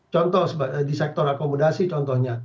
contoh di sektor akomodasi contohnya